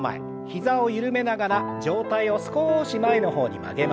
膝を緩めながら上体を少し前の方に曲げましょう。